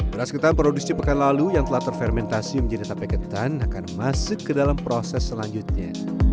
beras ketan produksi pekan lalu yang telah terfermentasi menjadi tape ketan akan masuk ke dalam proses selanjutnya